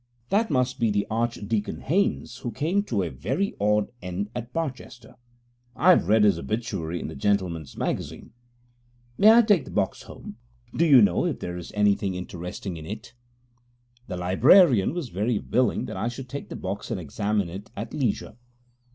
'That must be the Archdeacon Haynes who came to a very odd end at Barchester. I've read his obituary in the Gentleman's Magazine. May I take the box home? Do you know if there is anything interesting in it?' The librarian was very willing that I should take the box and examine it at leisure.